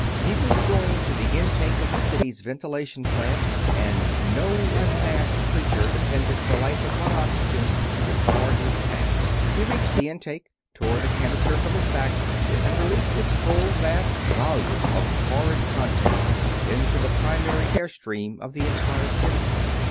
He was going to the intake of the city's ventilation plant, and no unmasked creature dependent for life upon oxygen could bar his path. He reached the intake, tore the canister from his back, and released its full, vast volume of horrid contents into the primary air stream of the entire city.